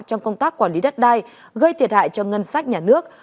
trong công tác quản lý đất đai gây thiệt hại cho ngân sách nhà nước